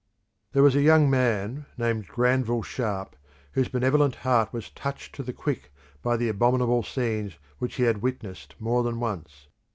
There was a young man named Granville Sharp, whose benevolent heart was touched to the quick by the abominable scenes which he had witnessed more than once.